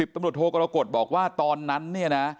ตำรวจโทกรกฎบอกว่าตอนนั้นเนี่ยนะ